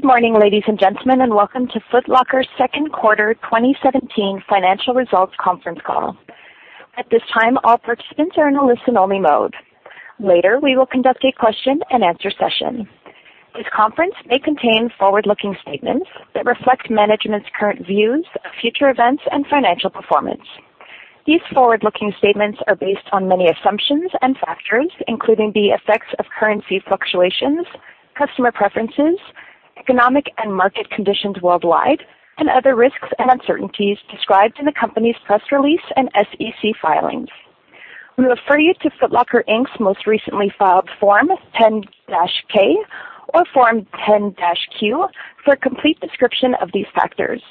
Good morning, ladies and gentlemen, and welcome to Foot Locker's second quarter 2017 financial results conference call. At this time, all participants are in a listen-only mode. Later, we will conduct a question-and-answer session. This conference may contain forward-looking statements that reflect management's current views of future events and financial performance. These forward-looking statements are based on many assumptions and factors, including the effects of currency fluctuations, customer preferences, economic and market conditions worldwide, and other risks and uncertainties described in the company's press release and SEC filings. We refer you to Foot Locker, Inc.'s most recently filed Form 10-K or Form 10-Q for a complete description of these factors.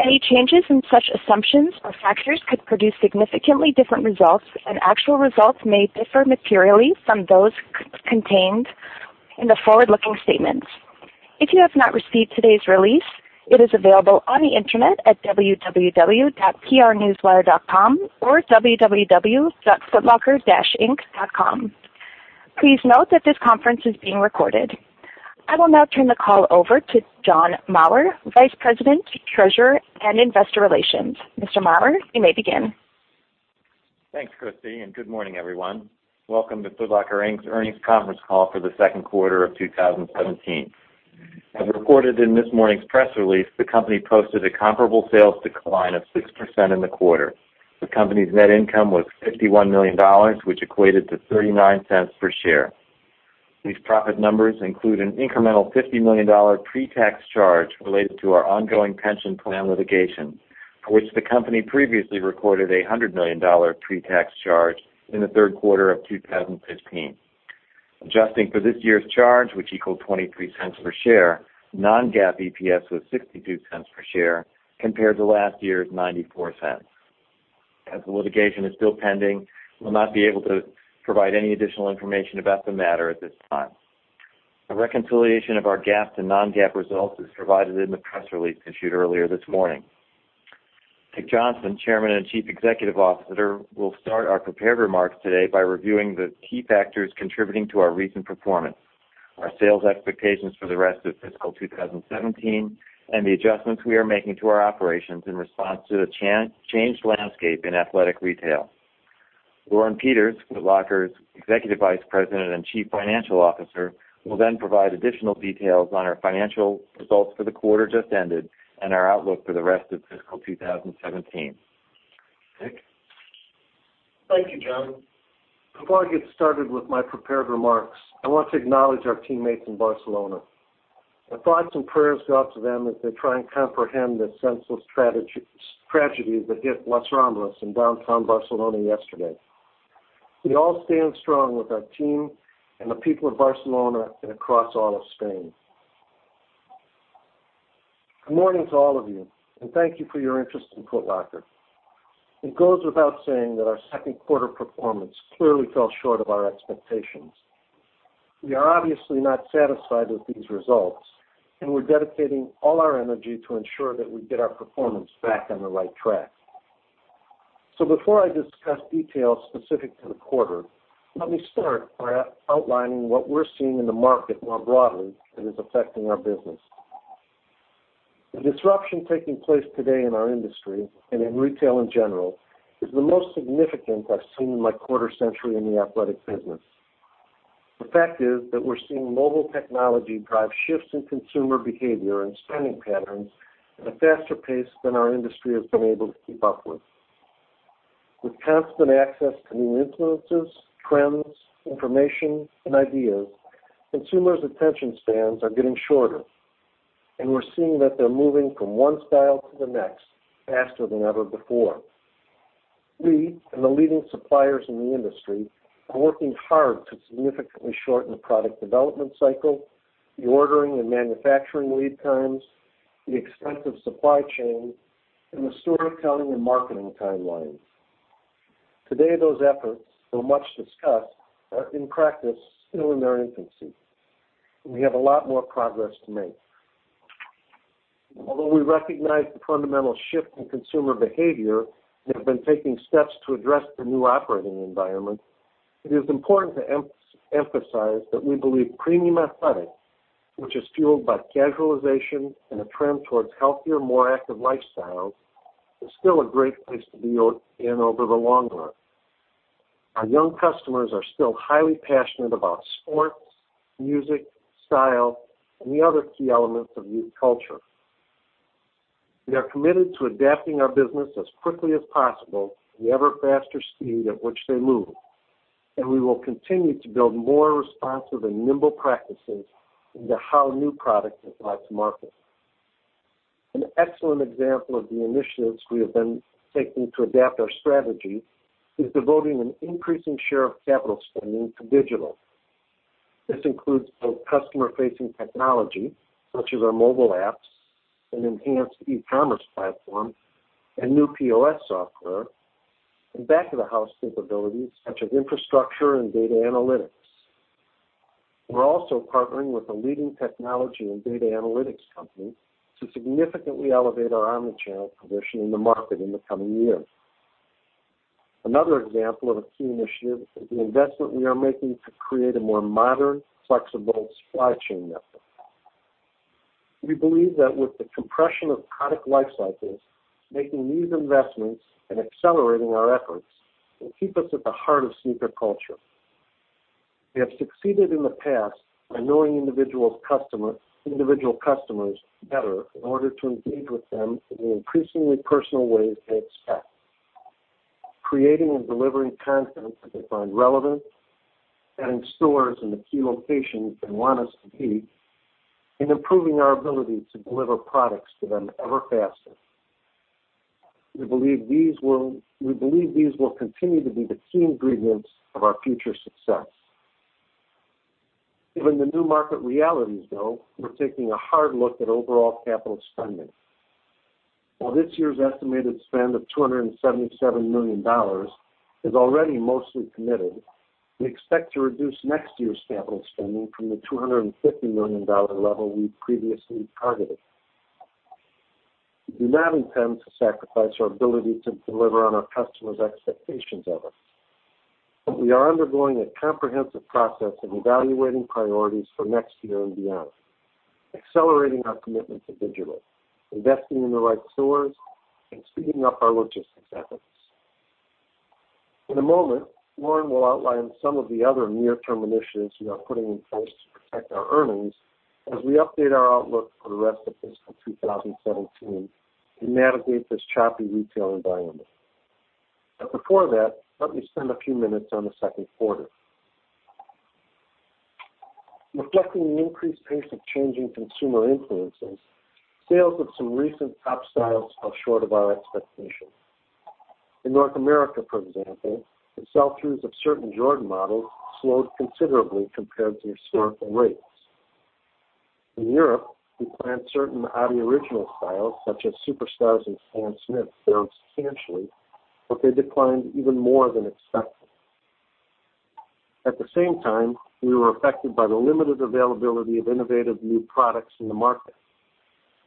Actual results may differ materially from those contained in the forward-looking statements. If you have not received today's release, it is available on the internet at www.prnewswire.com or www.footlocker-inc.com. Please note that this conference is being recorded. I will now turn the call over to John Maurer, Vice President, Treasurer, and Investor Relations. Mr. Maurer, you may begin. Thanks, Christy. Good morning, everyone. Welcome to Foot Locker, Inc.'s Earnings Conference Call for the second quarter of 2017. As reported in this morning's press release, the company posted a comparable sales decline of 6% in the quarter. The company's net income was $51 million, which equated to $0.39 per share. These profit numbers include an incremental $50 million pre-tax charge related to our ongoing pension plan litigation, for which the company previously recorded a $100 million pre-tax charge in the third quarter of 2015. Adjusting for this year's charge, which equaled $0.23 per share, non-GAAP EPS was $0.62 per share compared to last year's $0.94. As the litigation is still pending, we will not be able to provide any additional information about the matter at this time. A reconciliation of our GAAP to non-GAAP results is provided in the press release issued earlier this morning. Richard Johnson, Chairman and Chief Executive Officer, will start our prepared remarks today by reviewing the key factors contributing to our recent performance, our sales expectations for the rest of fiscal 2017, and the adjustments we are making to our operations in response to the changed landscape in athletic retail. Lauren Peters, Foot Locker's Executive Vice President and Chief Financial Officer, will then provide additional details on our financial results for the quarter just ended and our outlook for the rest of fiscal 2017. Dick? Thank you, John. Before I get started with my prepared remarks, I want to acknowledge our teammates in Barcelona. Our thoughts and prayers go out to them as they try and comprehend the senseless tragedy that hit Las Ramblas in downtown Barcelona yesterday. We all stand strong with our team and the people of Barcelona and across all of Spain. Good morning to all of you, and thank you for your interest in Foot Locker. It goes without saying that our second quarter performance clearly fell short of our expectations. We are obviously not satisfied with these results, and we're dedicating all our energy to ensure that we get our performance back on the right track. Before I discuss details specific to the quarter, let me start by outlining what we're seeing in the market more broadly that is affecting our business. The disruption taking place today in our industry, and in retail in general, is the most significant I've seen in my quarter-century in the athletics business. The fact is that we're seeing mobile technology drive shifts in consumer behavior and spending patterns at a faster pace than our industry has been able to keep up with. With constant access to new influences, trends, information, and ideas, consumers' attention spans are getting shorter, and we're seeing that they're moving from one style to the next faster than ever before. We, and the leading suppliers in the industry, are working hard to significantly shorten the product development cycle, the ordering and manufacturing lead times, the extensive supply chain, and the store accounting and marketing timelines. Today, those efforts, though much discussed, are in practice still in their infancy, and we have a lot more progress to make. Although we recognize the fundamental shift in consumer behavior and have been taking steps to address the new operating environment, it is important to emphasize that we believe premium athletic, which is fueled by casualization and a trend towards healthier, more active lifestyles, is still a great place to be in over the long run. Our young customers are still highly passionate about sports, music, style, and the other key elements of youth culture. We are committed to adapting our business as quickly as possible to the ever-faster speed at which they move, and we will continue to build more responsive and nimble practices into how new product is brought to market. An excellent example of the initiatives we have been taking to adapt our strategy is devoting an increasing share of capital spending to digital. This includes both customer-facing technology, such as our mobile apps, an enhanced e-commerce platform, and new POS software, and back-of-the-house capabilities such as infrastructure and data analytics. We're also partnering with a leading technology and data analytics company to significantly elevate our omnichannel position in the market in the coming years. Another example of a key initiative is the investment we are making to create a more modern, flexible supply chain network. We believe that with the compression of product life cycles, making these investments and accelerating our efforts will keep us at the heart of sneaker culture. We have succeeded in the past by knowing individual customers better in order to engage with them in the increasingly personal ways they expect. Creating and delivering content that they find relevant and in stores in the key locations they want us to be, and improving our ability to deliver products to them ever faster. We believe these will continue to be the key ingredients of our future success. Given the new market realities, though, we're taking a hard look at overall capital spending. While this year's estimated spend of $277 million is already mostly committed, we expect to reduce next year's capital spending from the $250 million level we previously targeted. We do not intend to sacrifice our ability to deliver on our customers' expectations of us. We are undergoing a comprehensive process of evaluating priorities for next year and beyond, accelerating our commitment to digital, investing in the right stores, and speeding up our logistics efforts. In a moment, Lauren will outline some of the other near-term initiatives we are putting in place to protect our earnings as we update our outlook for the rest of fiscal 2017 and navigate this choppy retail environment. Before that, let me spend a few minutes on the second quarter. Reflecting an increased pace of change in consumer influences, sales of some recent top styles fell short of our expectations. In North America, for example, the sell-throughs of certain Jordan models slowed considerably compared to historical rates. In Europe, we planned certain adidas Originals styles such as Superstars and Stan Smith fell substantially, but they declined even more than expected. At the same time, we were affected by the limited availability of innovative new products in the market.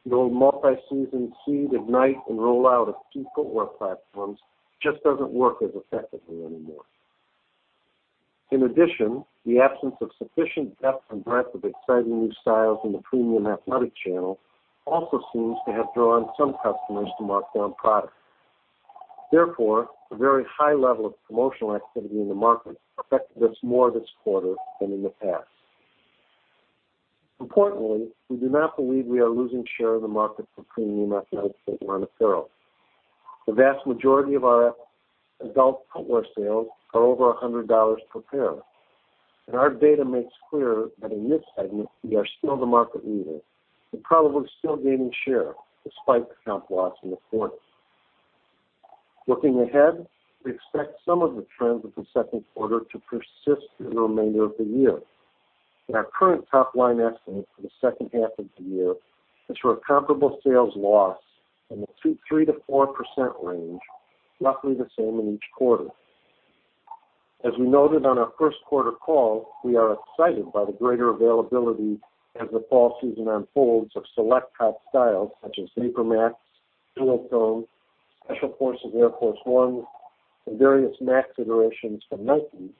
The old multi-season seed, ignite, and rollout of key footwear platforms just doesn't work as effectively anymore. In addition, the absence of sufficient depth and breadth of exciting new styles in the premium athletic channel also seems to have drawn some customers to markdown product. Therefore, the very high level of promotional activity in the market affected us more this quarter than in the past. Importantly, we do not believe we are losing share in the market for premium athletic footwear and apparel. The vast majority of our adult footwear sales are over $100 per pair. Our data makes clear that in this segment, we are still the market leader and probably still gaining share despite the comp loss in the quarter. Looking ahead, we expect some of the trends of the second quarter to persist through the remainder of the year, and our current top-line estimate for the second half of the year is for a comparable sales loss in the 3%-4% range, roughly the same in each quarter. As we noted on our first quarter call, we are excited by the greater availability as the fall season unfolds of select top styles such as VaporMax, Air Max, Special Field Air Force 1, and various Max iterations from Nike,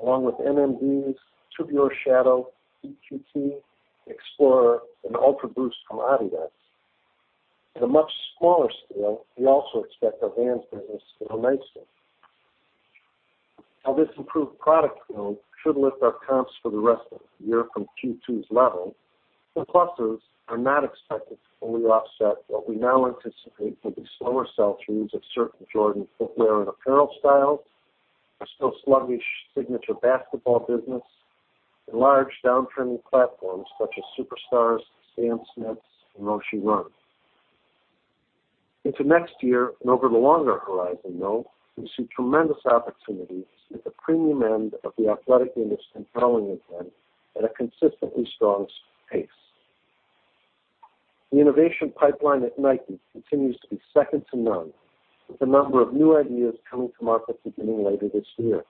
along with NMDs, Tubular Shadow, EQT, XPLR, and UltraBoost from adidas. At a much smaller scale, we also expect our Vans business to grow nicely. This improved product flow should lift our comps for the rest of the year from Q2's level. The pluses are not expected to fully offset what we now anticipate will be slower sell-throughs of certain Jordan footwear and apparel styles, our still sluggish signature basketball business, and large downtrending platforms such as Superstars, Stan Smiths, and Roshe Runs. Into next year and over the longer horizon, though, we see tremendous opportunities at the premium end of the athletic industry growing again at a consistently strong pace. The innovation pipeline at Nike continues to be second to none with a number of new ideas coming to market beginning later this year.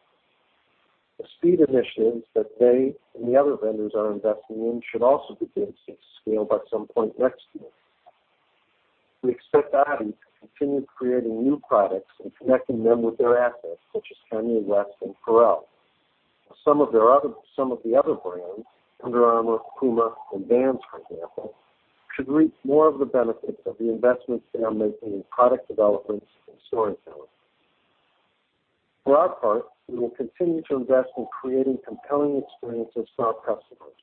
The speed initiatives that they and the other vendors are investing in should also be beginning to scale by some point next year. We expect adidas to continue creating new products and connecting them with their athletes such as Kanye West and Pharrell. Some of the other brands, Under Armour, Puma, and Vans, for example, should reap more of the benefits of the investments they are making in product development and store intelligence. For our part, we will continue to invest in creating compelling experiences for our customers.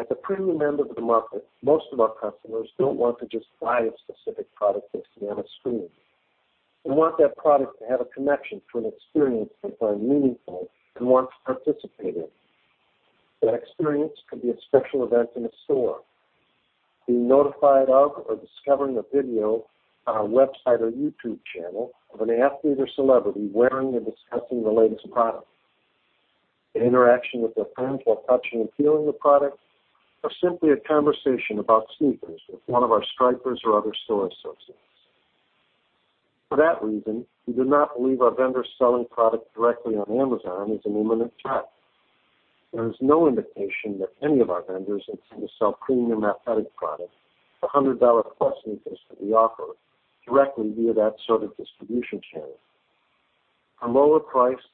At the premium end of the market, most of our customers don't want to just buy a specific product they see on a screen. They want that product to have a connection to an experience they find meaningful and want to participate in. That experience could be a special event in a store. Being notified of or discovering a video on our website or YouTube channel of an athlete or celebrity wearing and discussing the latest product. An interaction with their friends while touching and feeling the product, or simply a conversation about sneakers with one of our Stripers or other store associates. For that reason, we do not believe our vendors selling product directly on Amazon is an imminent threat. There is no indication that any of our vendors intend to sell premium athletic product, the $100 plus sneakers that we offer, directly via that sort of distribution channel. A lower priced,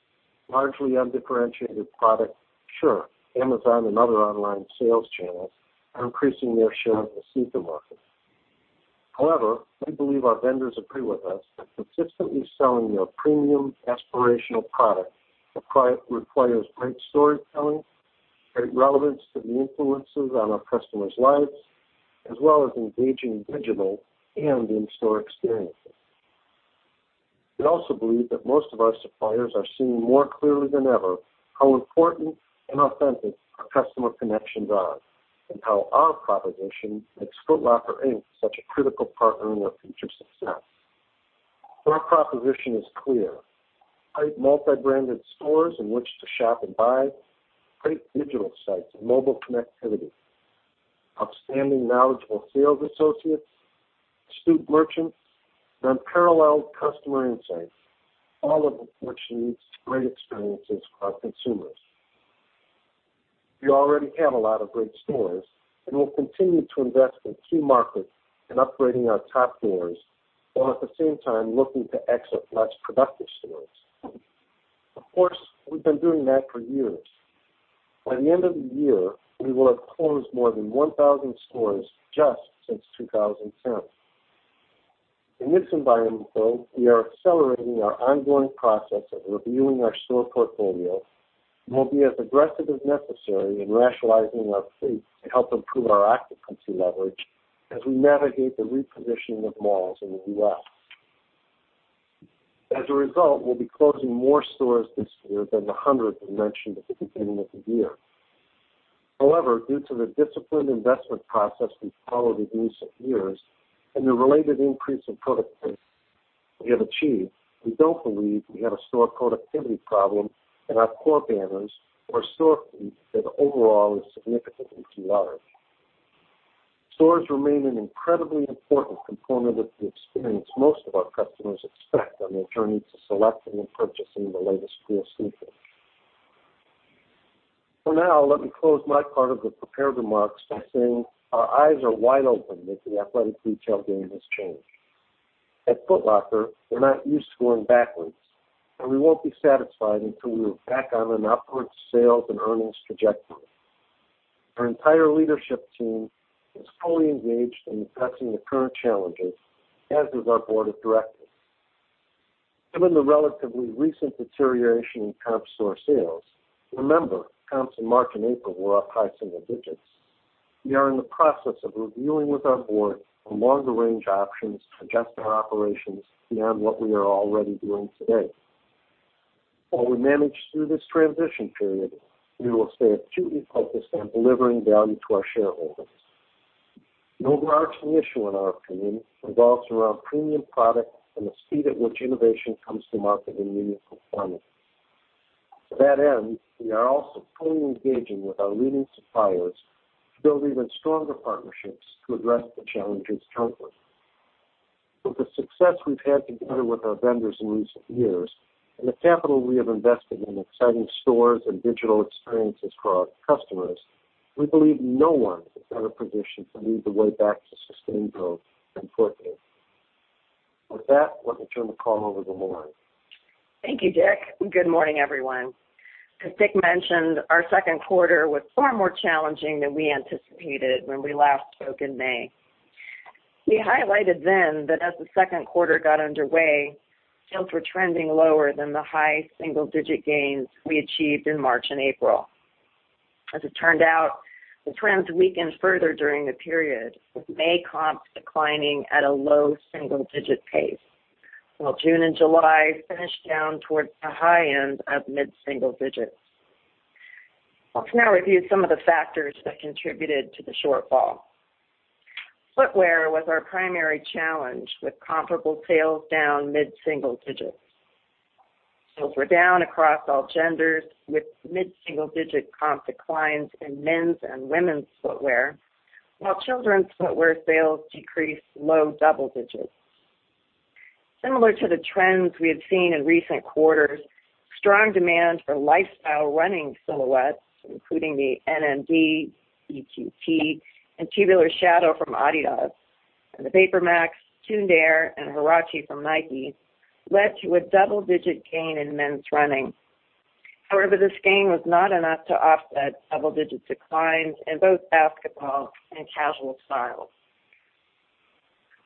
largely undifferentiated product, sure. Amazon and other online sales channels are increasing their share of the sneaker market. However, we believe our vendors agree with us that consistently selling their premium aspirational product requires great storytelling, great relevance to the influences on our customers' lives, as well as engaging digital and in-store experiences. We also believe that most of our suppliers are seeing more clearly than ever how important and authentic our customer connections are, and how our proposition makes Foot Locker, Inc. such a critical partner in their future success. Our proposition is clear. Great multi-branded stores in which to shop and buy, great digital sites and mobile connectivity, outstanding knowledgeable sales associates, astute merchants, and unparalleled customer insight, all of which leads to great experiences for our consumers. We already have a lot of great stores, and we'll continue to invest in key markets and upgrading our top stores, while at the same time looking to exit less productive stores. Of course, we've been doing that for years. By the end of the year, we will have closed more than 1,000 stores just since 2010. In this environment, though, we are accelerating our ongoing process of reviewing our store portfolio and will be as aggressive as necessary in rationalizing our fleet to help improve our occupancy leverage as we navigate the repositioning of malls in the U.S. As a result, we'll be closing more stores this year than the 100 we mentioned at the beginning of the year. However, due to the disciplined investment process we've followed in recent years and the related increase in productivity we have achieved, we don't believe we have a store productivity problem in our core banners or a store fleet that overall is significantly too large. Stores remain an incredibly important component of the experience most of our customers expect on their journey to selecting and purchasing the latest cool sneakers. For now, let me close my part of the prepared remarks by saying our eyes are wide open that the athletic retail game has changed. At Foot Locker, we're not used to going backwards, and we won't be satisfied until we are back on an upwards sales and earnings trajectory. Our entire leadership team is fully engaged in addressing the current challenges, as is our board of directors. Given the relatively recent deterioration in comp store sales, remember, comps in March and April were up high single digits. We are in the process of reviewing with our board a longer-range options to adjust our operations beyond what we are already doing today. While we manage through this transition period, we will stay acutely focused on delivering value to our shareholders. The overarching issue, in our opinion, revolves around premium product and the speed at which innovation comes to market in meaningful quantities. To that end, we are also fully engaging with our leading suppliers to build even stronger partnerships to address the challenges jointly. With the success we've had together with our vendors in recent years and the capital we have invested in exciting stores and digital experiences for our customers, we believe no one is better positioned to lead the way back to sustained growth than Foot Locker. With that, let me turn the call over to Laurie. Thank you, Dick. Good morning, everyone. As Dick mentioned, our second quarter was far more challenging than we anticipated when we last spoke in May. We highlighted then that as the second quarter got underway, sales were trending lower than the high single digit gains we achieved in March and April. As it turned out, the trends weakened further during the period, with May comps declining at a low single digit pace. While June and July finished down towards the high end of mid-single digits. I'll now review some of the factors that contributed to the shortfall. Footwear was our primary challenge, with comparable sales down mid-single digits. Sales were down across all genders, with mid-single digit comp declines in men's and women's footwear, while children's footwear sales decreased low double digits. Similar to the trends we have seen in recent quarters, strong demand for lifestyle running silhouettes, including the NMD, EQT, and Tubular Shadow from adidas, and the VaporMax, Tuned Air, and Huarache from Nike, led to a double-digit gain in men's running. However, this gain was not enough to offset double-digit declines in both basketball and casual styles.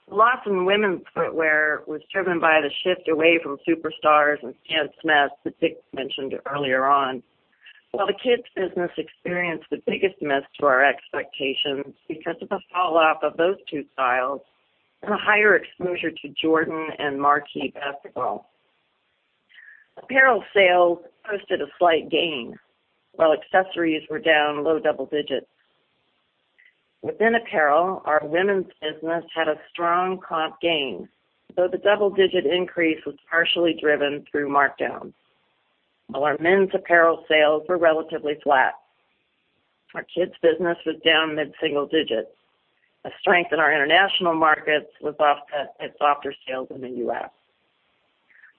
The loss in women's footwear was driven by the shift away from Superstars and Stan Smiths that Dick mentioned earlier on. While the kids business experienced the biggest miss to our expectations because of the falloff of those two styles and a higher exposure to Jordan and marquee basketball. Apparel sales posted a slight gain, while accessories were down low double digits. Within apparel, our women's business had a strong comp gain, though the double-digit increase was partially driven through markdowns. While our men's apparel sales were relatively flat. Our kids business was down mid-single digits. A strength in our international markets was offset by softer sales in the U.S.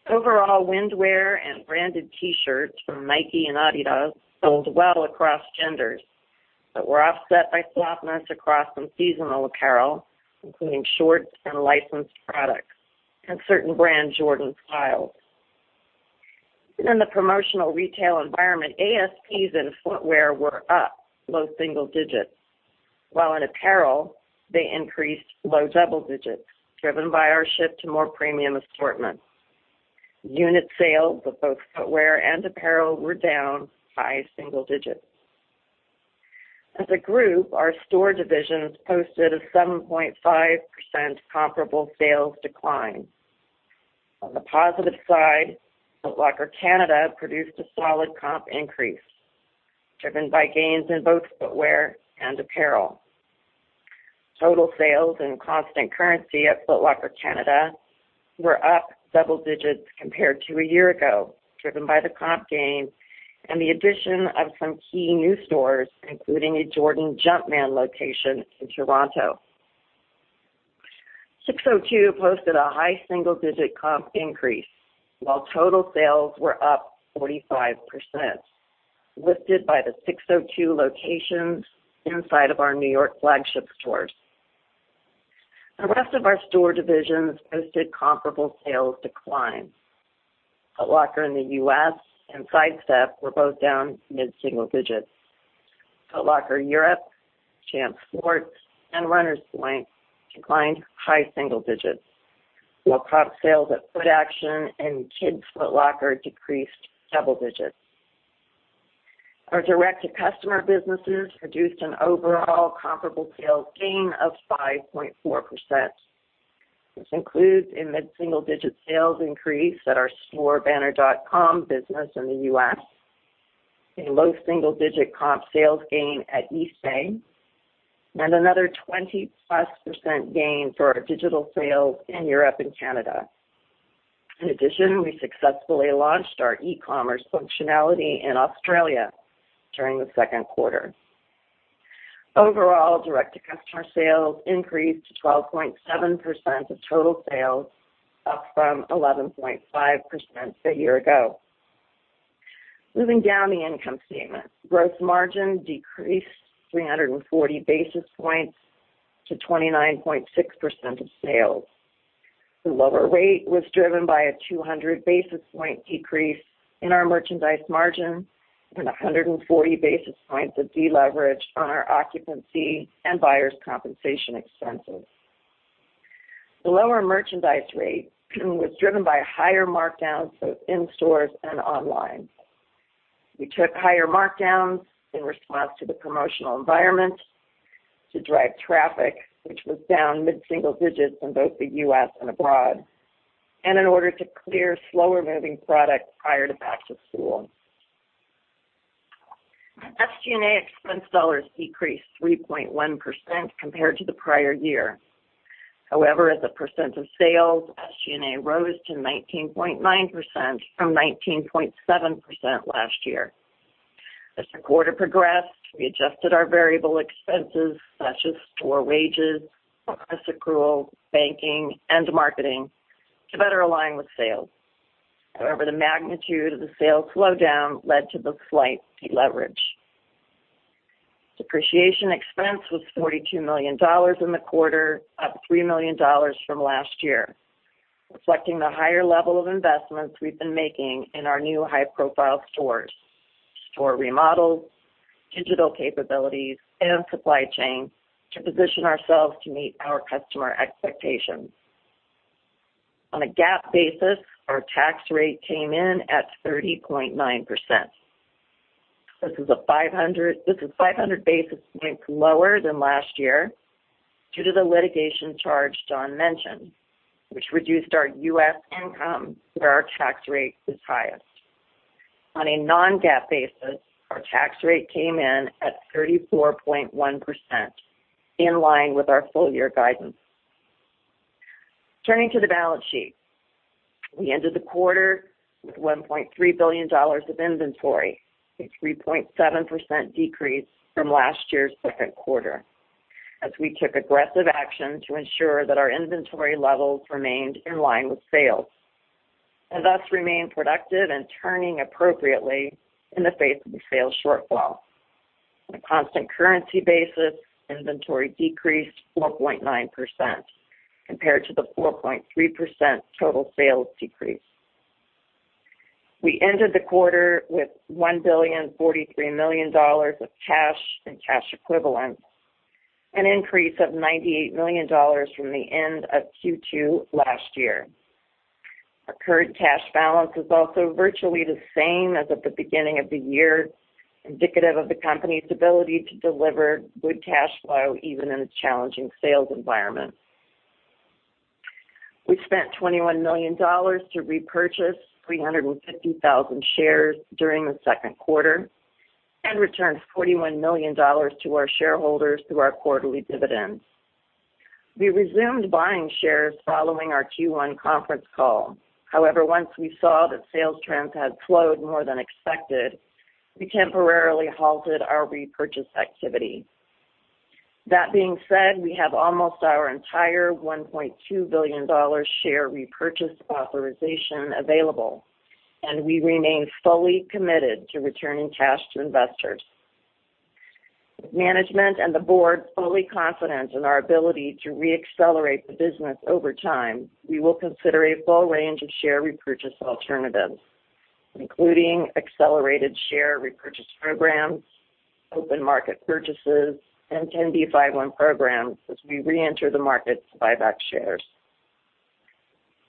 Overall, windwear and branded T-shirts from Nike and adidas sold well across genders, but were offset by softness across some seasonal apparel, including shorts and licensed products, and certain brand Jordan styles. Within the promotional retail environment, ASPs and footwear were up low single digits, while in apparel, they increased low double digits, driven by our shift to more premium assortment. Unit sales of both footwear and apparel were down high single digits. As a group, our store divisions posted a 7.5% comparable sales decline. On the positive side, Foot Locker Canada produced a solid comp increase, driven by gains in both footwear and apparel. Total sales and constant currency at Foot Locker Canada were up double digits compared to a year ago, driven by the comp gains and the addition of some key new stores, including a Jordan Jumpman location in Toronto. SIX:02 posted a high single-digit comp increase, while total sales were up 45%, lifted by the SIX:02 locations inside of our New York flagship stores. The rest of our store divisions posted comparable sales declines. Foot Locker in the U.S. and Sidestep were both down mid-single digits. Foot Locker Europe, Champs Sports, and Runners Point declined high single digits, while comp sales at Footaction and Kids Foot Locker decreased double digits. Our direct-to-customer businesses produced an overall comparable sales gain of 5.4%, which includes a mid-single-digit sales increase at our store banner.com business in the U.S., a low single-digit comp sales gain at Eastbay, and another 20-plus% gain for our digital sales in Europe and Canada. In addition, we successfully launched our e-commerce functionality in Australia during the second quarter. Overall, direct-to-customer sales increased to 12.7% of total sales, up from 11.5% a year ago. Moving down the income statement. Gross Margin decreased 340 basis points to 29.6% of sales. The lower rate was driven by a 200 basis point decrease in our merchandise margin and 140 basis points of deleverage on our occupancy and buyers' compensation expenses. The lower merchandise rate was driven by higher markdowns both in stores and online. We took higher markdowns in response to the promotional environment to drive traffic, which was down mid-single digits in both the U.S. and abroad, and in order to clear slower-moving products prior to back to school. SG&A expense dollars decreased 3.1% compared to the prior year. As a percent of sales, SG&A rose to 19.9% from 19.7% last year. As the quarter progressed, we adjusted our variable expenses such as store wages, bonus accrual, banking, and marketing to better align with sales. The magnitude of the sales slowdown led to the slight deleverage. Depreciation expense was $42 million in the quarter, up $3 million from last year, reflecting the higher level of investments we've been making in our new high-profile stores, store remodels, digital capabilities, and supply chain to position ourselves to meet our customer expectations. On a GAAP basis, our tax rate came in at 30.9%. This is 500 basis points lower than last year due to the litigation charge John mentioned, which reduced our U.S. income where our tax rate is highest. On a non-GAAP basis, our tax rate came in at 34.1%, in line with our full-year guidance. Turning to the balance sheet. We ended the quarter with $1.3 billion of inventory, a 3.7% decrease from last year's second quarter, as we took aggressive action to ensure that our inventory levels remained in line with sales, and thus remained productive and turning appropriately in the face of the sales shortfall. On a constant currency basis, inventory decreased 4.9%, compared to the 4.3% total sales decrease. We ended the quarter with $1.043 billion of cash and cash equivalents, an increase of $98 million from the end of Q2 last year. Our current cash balance is also virtually the same as at the beginning of the year, indicative of the company's ability to deliver good cash flow even in a challenging sales environment. We spent $21 million to repurchase 350,000 shares during the second quarter and returned $41 million to our shareholders through our quarterly dividends. We resumed buying shares following our Q1 conference call. Once we saw that sales trends had slowed more than expected, we temporarily halted our repurchase activity. We have almost our entire $1.2 billion share repurchase authorization available, and we remain fully committed to returning cash to investors. With management and the board fully confident in our ability to re-accelerate the business over time, we will consider a full range of share repurchase alternatives, including accelerated share repurchase programs, open market purchases, and 10b5-1 programs as we reenter the market to buy back shares.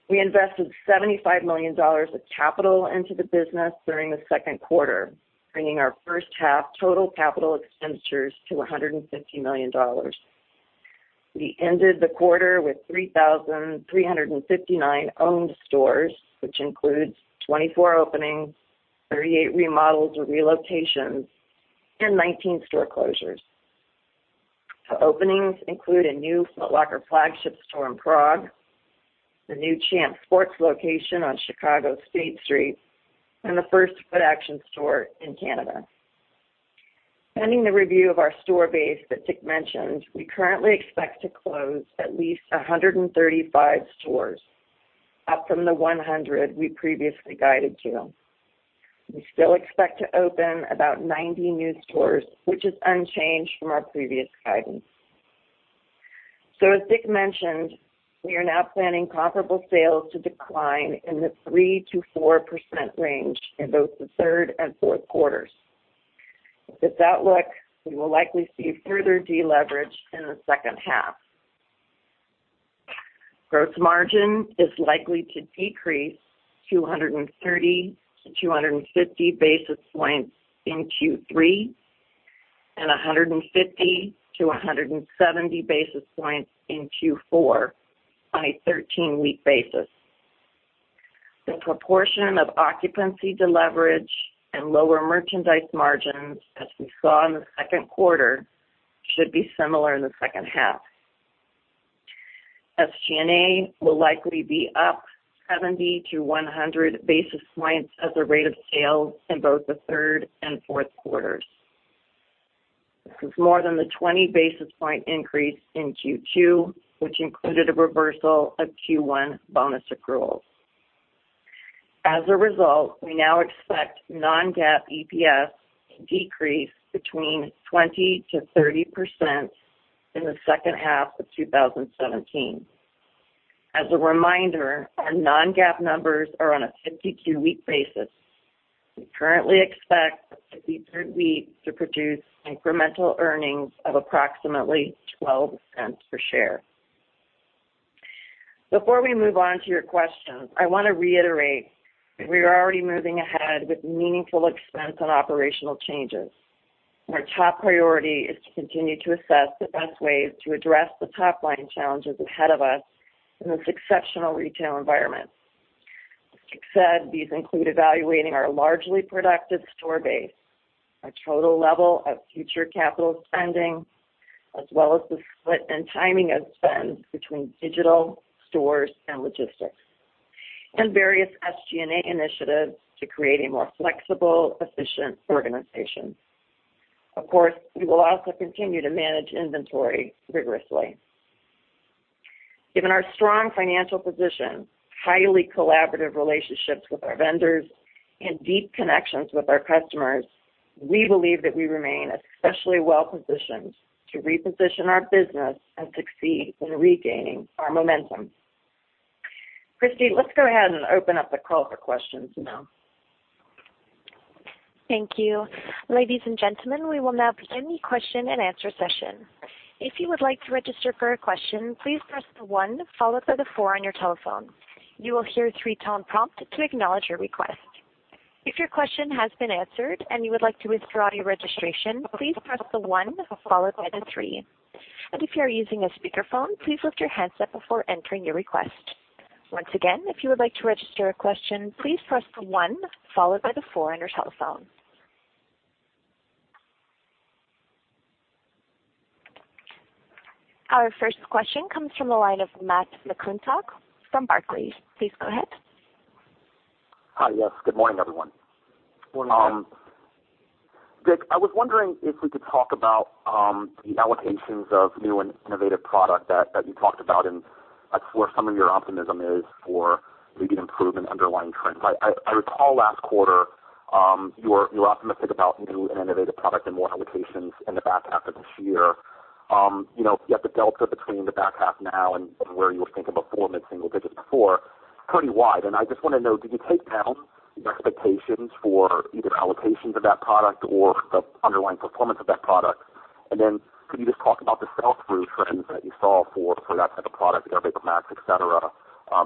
We invested $75 million of capital into the business during the second quarter, bringing our first half total capital expenditures to $150 million. We ended the quarter with 3,359 owned stores, which includes 24 openings, 38 remodels or relocations, and 19 store closures. The openings include a new Foot Locker flagship store in Prague, the new Champs Sports location on Chicago State Street, and the first Footaction store in Canada. Pending the review of our store base that Dick mentioned, we currently expect to close at least 135 stores, up from the 100 we previously guided to. We still expect to open about 90 new stores, which is unchanged from our previous guidance. As Dick mentioned, we are now planning comparable sales to decline in the 3%-4% range in both the third and fourth quarters. With this outlook, we will likely see further deleverage in the second half. Gross margin is likely to decrease 230-250 basis points in Q3 and 150-170 basis points in Q4 on a 13-week basis. The proportion of occupancy deleverage and lower merchandise margins, as we saw in the second quarter, should be similar in the second half. SG&A will likely be up 70-100 basis points as a rate of sale in both the third and fourth quarters. This is more than the 20 basis point increase in Q2, which included a reversal of Q1 bonus accruals. As a result, we now expect non-GAAP EPS to decrease between 20%-30% in the second half of 2017. As a reminder, our non-GAAP numbers are on a 52-week basis. We currently expect the third week to produce incremental earnings of approximately $0.12 per share. Before we move on to your questions, I want to reiterate that we are already moving ahead with meaningful expense and operational changes. Our top priority is to continue to assess the best ways to address the top-line challenges ahead of us in this exceptional retail environment. As Dick said, these include evaluating our largely productive store base, our total level of future capital spending, as well as the split and timing of spend between digital, stores, and logistics, and various SG&A initiatives to create a more flexible, efficient organization. Of course, we will also continue to manage inventory rigorously. Given our strong financial position, highly collaborative relationships with our vendors, and deep connections with our customers, we believe that we remain especially well-positioned to reposition our business and succeed in regaining our momentum. Christine, let's go ahead and open up the call for questions now. Thank you. Ladies and gentlemen, we will now begin the question and answer session. If you would like to register for a question, please press the 1 followed by the 4 on your telephone. You will hear a 3-tone prompt to acknowledge your request. If your question has been answered and you would like to withdraw your registration, please press the 1 followed by the 3. If you are using a speakerphone, please lift your handset before entering your request. Once again, if you would like to register a question, please press the 1 followed by the 4 on your telephone. Our first question comes from the line of Matt McClintock from Barclays. Please go ahead. Hi. Yes. Good morning, everyone. Morning, Matt. Dick, I was wondering if we could talk about the allocations of new and innovative product that you talked about and where some of your optimism is for maybe an improvement in underlying trends. I recall last quarter, you were optimistic about new and innovative product and more allocations in the back half of this year. Yet the delta between the back half now and where you were thinking about forming single digits before is pretty wide. I just want to know, did you take down the expectations for either allocations of that product or the underlying performance of that product? Then could you just talk about the sell-through trends that you saw for that type of product, Air VaporMax, et cetera,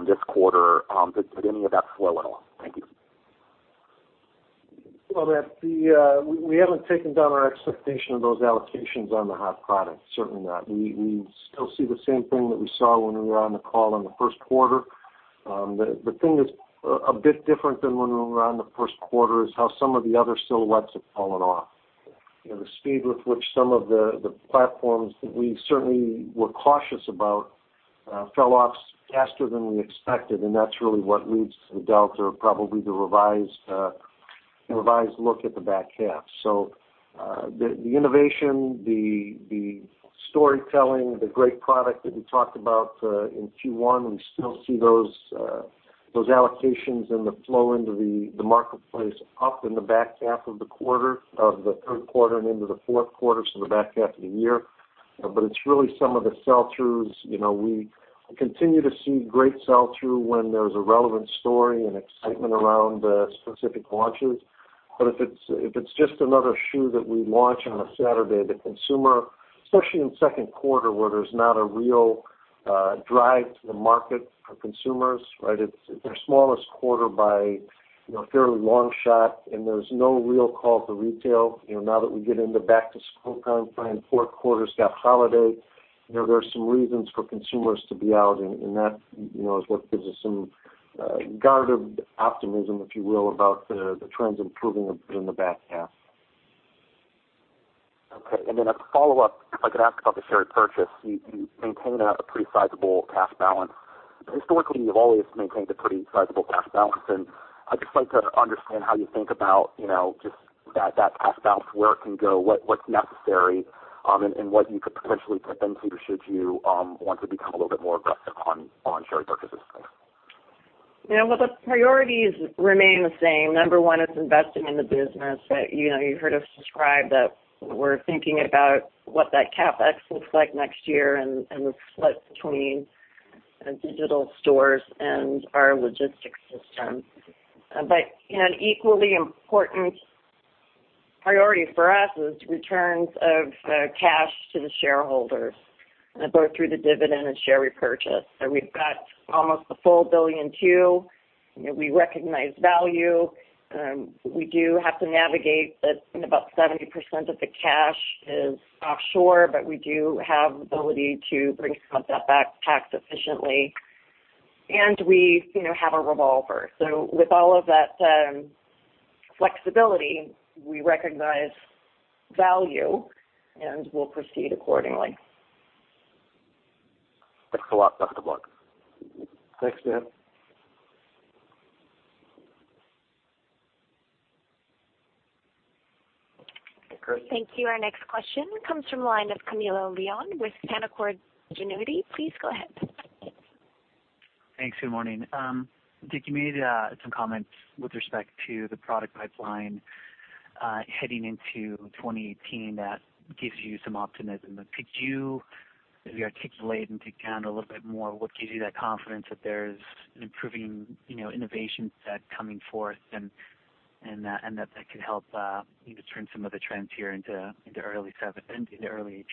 this quarter? Did any of that slow at all? Thank you. Well, Matt, we haven't taken down our expectation of those allocations on the hot products. Certainly not. We still see the same thing that we saw when we were on the call in the first quarter. The thing that's a bit different than when we were on the first quarter is how some of the other silhouettes have fallen off. The speed with which some of the platforms that we certainly were cautious about fell off faster than we expected, that's really what leads to the delta or probably the revised Revised look at the back half. The innovation, the storytelling, the great product that we talked about in Q1, we still see those allocations and the flow into the marketplace up in the back half of the third quarter and into the fourth quarter, so the back half of the year. It's really some of the sell-throughs. We continue to see great sell-through when there's a relevant story and excitement around specific launches. If it's just another shoe that we launch on a Saturday, the consumer, especially in the second quarter, where there's not a real drive to the market for consumers. It's their smallest quarter by a fairly long shot, and there's no real call to retail. Now that we get into back-to-school timeframe, fourth quarter's got holiday. There are some reasons for consumers to be out, and that is what gives us some guarded optimism, if you will, about the trends improving a bit in the back half. Okay, a follow-up, if I could ask about the share repurchase. You maintain a pretty sizable cash balance. Historically, you've always maintained a pretty sizable cash balance, and I'd just like to understand how you think about just that cash balance, where it can go, what's necessary, and what you could potentially put them to, should you want to become a little bit more aggressive on share purchases. Yeah. The priorities remain the same. Number 1 is investing in the business. You've heard us describe that we're thinking about what that CapEx looks like next year and the split between digital stores and our logistics system. An equally important priority for us is returns of cash to the shareholders, both through the dividend and share repurchase. We've got almost a full billion, too. We recognize value. We do have to navigate that about 70% of the cash is offshore, but we do have the ability to bring some of that back tax efficiently. We have a revolver. With all of that flexibility, we recognize value, and we'll proceed accordingly. Thanks a lot. Talk to both of you. Thanks, Matt. Okay, great. Thank you. Our next question comes from the line of Camilo Lyon with Canaccord Genuity. Please go ahead. Thanks. Good morning. Dick, you made some comments with respect to the product pipeline heading into 2018 that gives you some optimism. Could you maybe articulate and dig down a little bit more what gives you that confidence that there's improving innovation set coming forth and that that could help maybe turn some of the trends here into early 2018?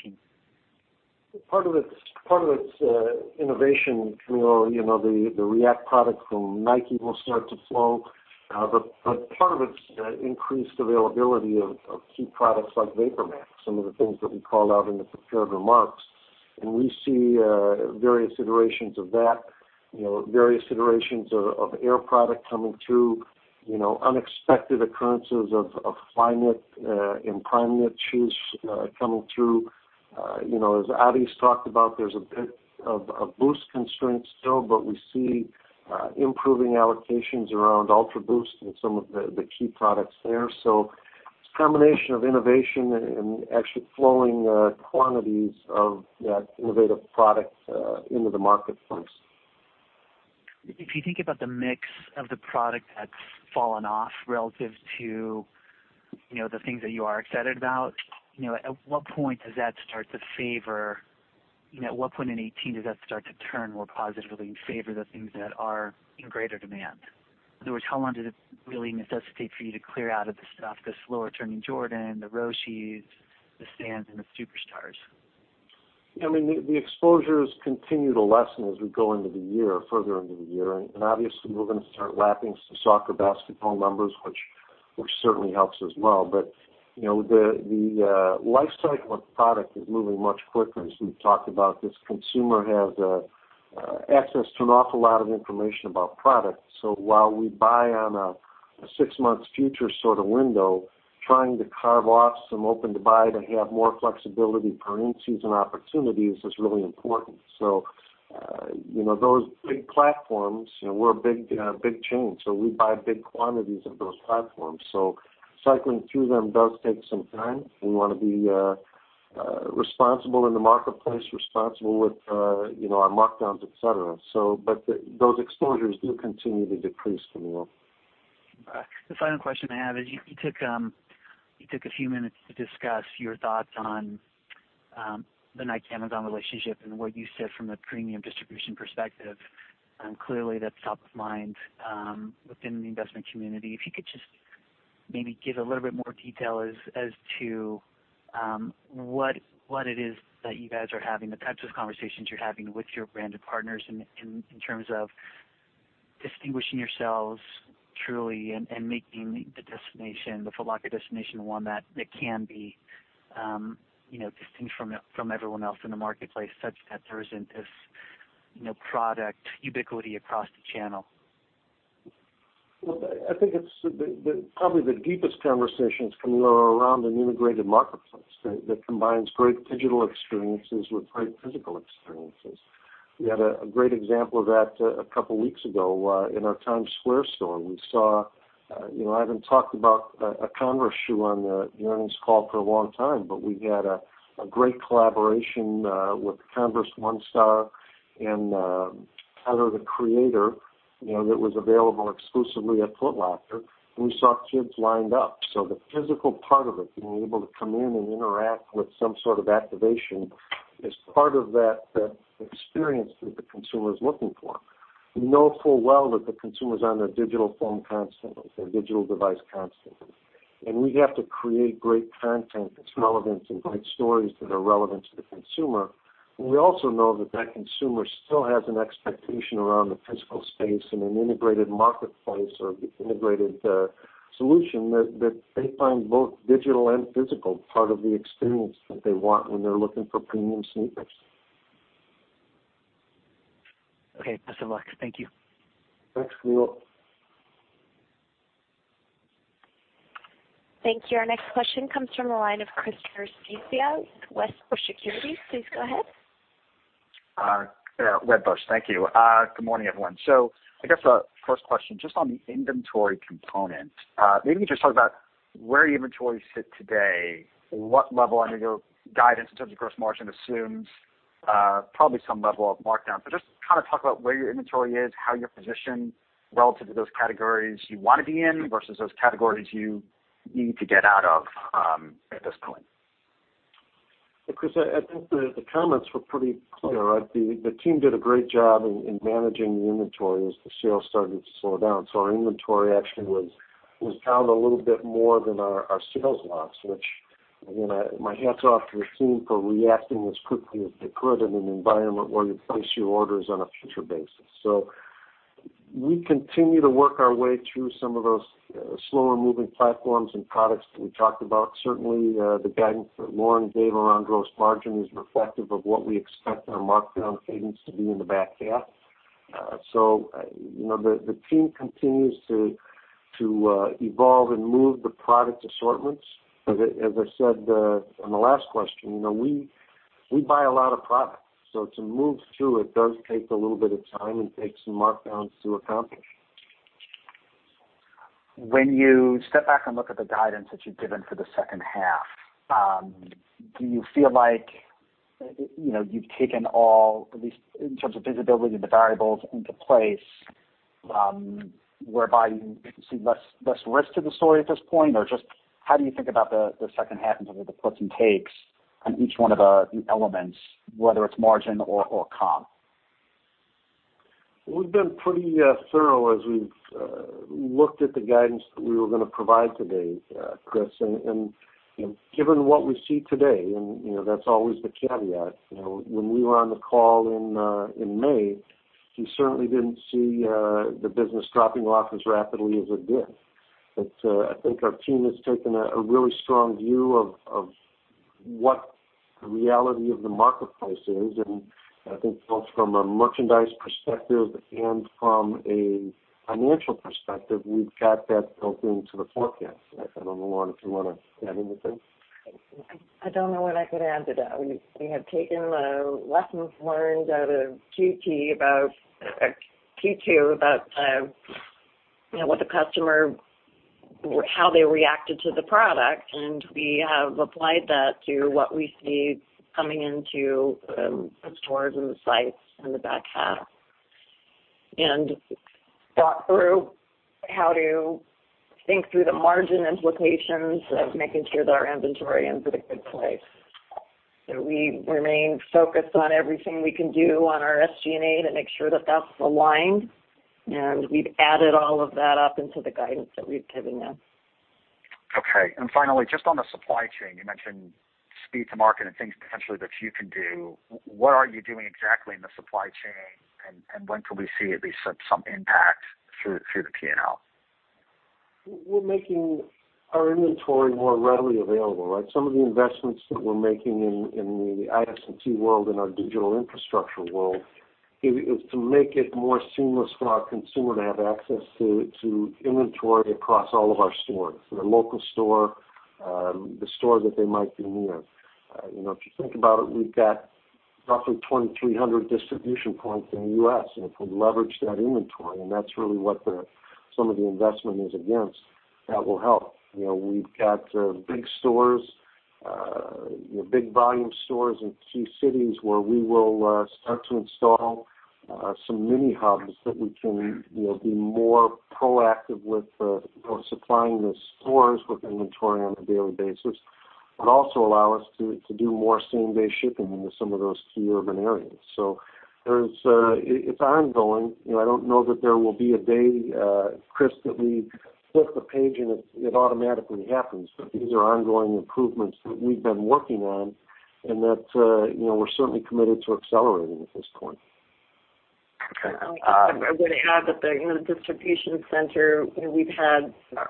Part of it's innovation, Camilo. The React product from Nike will start to flow. Part of it's increased availability of key products like VaporMax, some of the things that we called out in the prepared remarks. We see various iterations of that, various iterations of Air product coming through. Unexpected occurrences of Flyknit and Primeknit shoes coming through. As adidas' talked about, there's a bit of a Boost constraint still, but we see improving allocations around UltraBoost and some of the key products there. It's a combination of innovation and actually flowing quantities of that innovative product into the marketplace. If you think about the mix of the product that's fallen off relative to the things that you are excited about, at what point in 2018 does that start to turn more positively in favor of the things that are in greater demand? In other words, how long does it really necessitate for you to clear out of the stuff, the slower turning Jordan, the Roshes, the Stans, and the Superstar? The exposures continue to lessen as we go further into the year. Obviously, we're going to start lapping some soccer, basketball numbers, which certainly helps as well. The life cycle of product is moving much quicker, as we've talked about. This consumer has access to an awful lot of information about product. While we buy on a six months future sort of window, trying to carve off some open-to-buy to have more flexibility per in-season opportunities is really important. Those big platforms, we're a big chain, so we buy big quantities of those platforms. Cycling through them does take some time. We want to be responsible in the marketplace, responsible with our markdowns, et cetera. Those exposures do continue to decrease, Camilo. All right. The final question I have is, you took a few minutes to discuss your thoughts on the Nike-Amazon relationship and what you said from a premium distribution perspective. Clearly, that's top of mind within the investment community. If you could just maybe give a little bit more detail as to what it is that you guys are having, the types of conversations you're having with your branded partners in terms of distinguishing yourselves truly and making the Foot Locker destination one that can be distinct from everyone else in the marketplace, such that there isn't this product ubiquity across the channel. Well, I think probably the deepest conversations, Camilo, are around an integrated marketplace that combines great digital experiences with great physical experiences. We had a great example of that a couple weeks ago in our Times Square store. I haven't talked about a Converse shoe on the earnings call for a long time, but we had a great collaboration with the Converse One Star and Tyler, the Creator, that was available exclusively at Foot Locker, and we saw kids lined up. The physical part of it, being able to come in and interact with some sort of activation, is part of that experience that the consumer is looking for. We know full well that the consumer's on their digital phone constantly, their digital device constantly. We have to create great content that's relevant and great stories that are relevant to the consumer. We also know that that consumer still has an expectation around the physical space and an integrated marketplace or integrated solution that they find both digital and physical part of the experience that they want when they're looking for premium sneakers. Okay. Best of luck. Thank you. Thanks, Camilo Lyon. Thank you. Our next question comes from the line of Christopher Svezia with Wedbush Securities. Please go ahead. Wedbush, thank you. Good morning, everyone. I guess the first question, just on the inventory component. Maybe you can just talk about where your inventories sit today, what level under your guidance in terms of gross margin assumes probably some level of markdown. Just talk about where your inventory is, how you're positioned relative to those categories you want to be in versus those categories you need to get out of at this point. Chris, I think the comments were pretty clear. The team did a great job in managing the inventory as the sales started to slow down. Our inventory actually was down a little bit more than our sales loss, which, again, my hats off to the team for reacting as quickly as they could in an environment where you place your orders on a future basis. We continue to work our way through some of those slower moving platforms and products that we talked about. Certainly, the guidance that Lauren gave around gross margin is reflective of what we expect our markdown cadence to be in the back half. The team continues to evolve and move the product assortments. As I said on the last question, we buy a lot of product. To move through it does take a little bit of time and take some markdowns to accomplish. When you step back and look at the guidance that you've given for the second half, do you feel like you've taken all, at least in terms of visibility, the variables into place, whereby you can see less risk to the story at this point? Or just how do you think about the second half in terms of the puts and takes on each one of the elements, whether it's margin or comp? We've been pretty thorough as we've looked at the guidance that we were going to provide today, Chris. Given what we see today, and that's always the caveat. When we were on the call in May, we certainly didn't see the business dropping off as rapidly as it did. I think our team has taken a really strong view of what the reality of the marketplace is. I think both from a merchandise perspective and from a financial perspective, we've got that built into the forecast. I don't know, Lauren, if you want to add anything. I don't know what I could add to that. We have taken the lessons learned out of Q2 about how they reacted to the product, and we have applied that to what we see coming into the stores and the sites in the back half. Thought through how to think through the margin implications of making sure that our inventory ends in a good place. We remain focused on everything we can do on our SG&A to make sure that that's aligned. We've added all of that up into the guidance that we've given now. Okay. Finally, just on the supply chain, you mentioned speed to market and things potentially that you can do. What are you doing exactly in the supply chain, and when can we see at least some impact through the P&L? We're making our inventory more readily available. Some of the investments that we're making in the IS&T world and our digital infrastructure world is to make it more seamless for our consumer to have access to inventory across all of our stores, for the local store, the store that they might be near. If you think about it, we've got roughly 2,300 distribution points in the U.S., and if we leverage that inventory, and that's really what some of the investment is against, that will help. We've got big stores, big volume stores in key cities where we will start to install some mini hubs that we can be more proactive with supplying the stores with inventory on a daily basis, but also allow us to do more same-day shipping into some of those key urban areas. It's ongoing. I don't know that there will be a day, Chris, that we flip a page and it automatically happens. These are ongoing improvements that we've been working on and that we're certainly committed to accelerating at this point. I would add that the distribution center,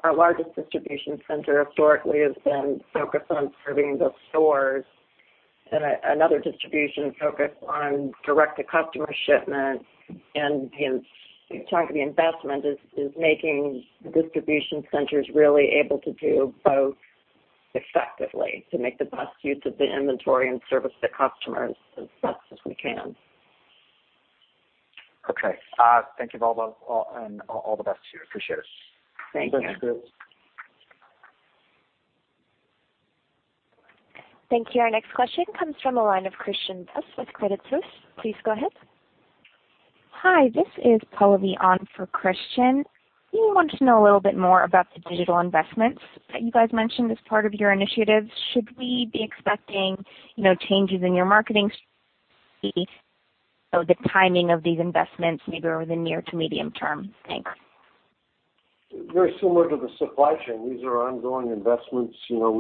our largest distribution center historically has been focused on serving the stores. Another distribution focused on direct-to-customer shipments. The investment is making distribution centers really able to do both Effectively to make the best use of the inventory and service the customers as best as we can. Okay. Thank you, Lauren. All the best to you. Appreciate it. Thank you. Thanks, group. Thank you. Our next question comes from the line of Christian Buss with Credit Suisse. Please go ahead. Hi, this is Paula Leon for Christian. We want to know a little bit more about the digital investments that you guys mentioned as part of your initiatives. Should we be expecting changes in your marketing or the timing of these investments maybe over the near to medium term? Thanks. Very similar to the supply chain. These are ongoing investments. Our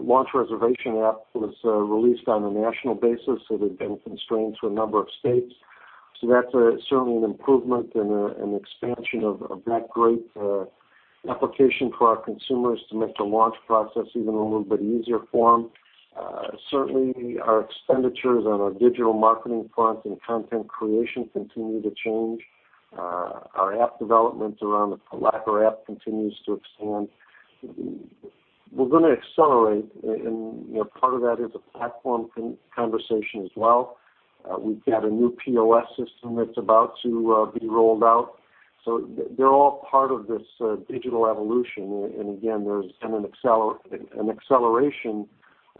launch reservation app was released on a national basis. It had been constrained to a number of states. That's certainly an improvement and an expansion of that great application for our consumers to make the launch process even a little bit easier for them. Certainly, our expenditures on our digital marketing front and content creation continue to change. Our app developments around the Foot Locker app continues to expand. We're going to accelerate, and part of that is a platform conversation as well. We've got a new POS system that's about to be rolled out. They're all part of this digital evolution. Again, there's an acceleration of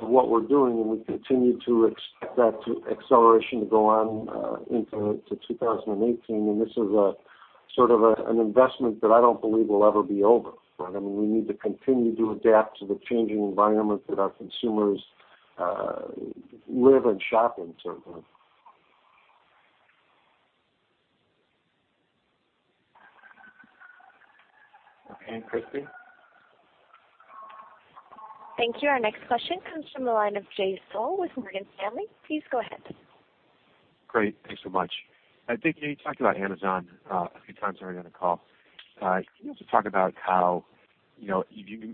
what we're doing, and we continue to expect that acceleration to go on into 2018. This is sort of an investment that I don't believe will ever be over. We need to continue to adapt to the changing environment that our consumers live and shop in certainly. Okay. Christy? Thank you. Our next question comes from the line of Jay Sole with Morgan Stanley. Please go ahead. Great. Thanks so much. I think you talked about Amazon a few times already on the call. Can you also talk about how, you